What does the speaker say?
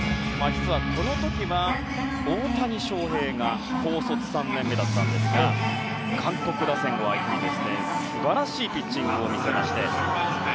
実は、この時は大谷翔平が高卒３年目だったんですが韓国打線を相手に素晴らしいピッチングを見せまして。